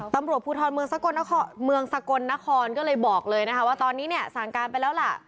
ตำรวจภูทรเมืองสกลนครก็เลยบอกเลยนะคะว่าตอนนี้เนี่ยสั่งการไปแล้วล่ะ